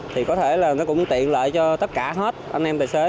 thì có thể là nó cũng tiện lợi cho tất cả hết anh em tài xế